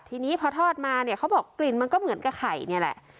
ทีนี้พอทอดมาเนี่ยเขาบอกกลิ่นมันก็เหมือนกับไข่นี่แหละ